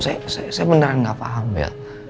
saya beneran gak paham bel